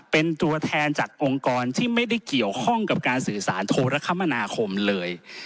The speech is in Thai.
เป็นตัวแทนจากองค์กรที่ไม่ได้เกี่ยวข้องกับการสื่อสารโทรคมนาคมเลย